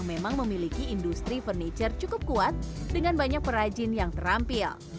memang memiliki industri furniture cukup kuat dengan banyak perajin yang terampil